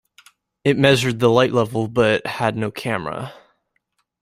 It measured the light level but had no camera.